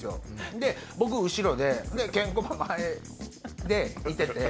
で僕後ろでケンコバ前でいてて。